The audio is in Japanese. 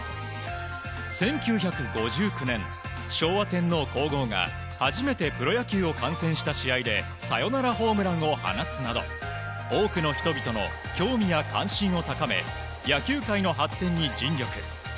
１９５９年昭和天皇・皇后が初めてプロ野球を観戦した試合でサヨナラホームランを放つなど多くの人々の興味や関心を高め野球界の発展に尽力。